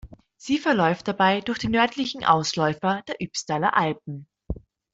Sie verläuft dabei durch die nördlichen Ausläufer der Ybbstaler Alpen.